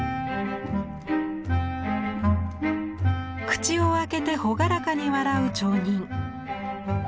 口を開けて朗らかに笑う町人。